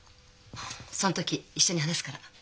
その時一緒に話すから。